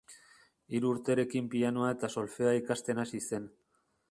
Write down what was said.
Hiru urterekin pianoa eta solfeoa ikasten hasi zen.